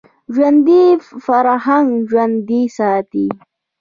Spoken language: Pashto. ژوندي فرهنګ ژوندی ساتي